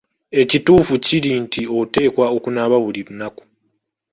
Ekituufu kiri nti oteekwa okunaaba buli lunaku.